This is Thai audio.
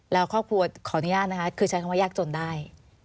แล้วครอบครัวขออนุญาตนะคะคือใช้คำว่ายากจนได้